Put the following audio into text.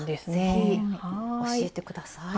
是非教えて下さい。